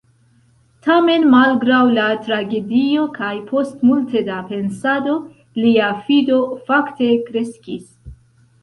Tamen malgraŭ la tragedio, kaj post multe da pensado, lia fido, fakte, kreskis.